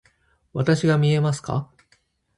わたしが見えますか？